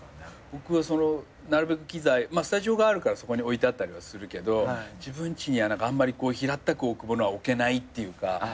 僕はなるべく機材スタジオがあるからそこに置いてあったりはするけど自分ちにはあんまり平ったく置くものは置けないっていうか。